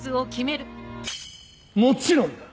もちろんだ！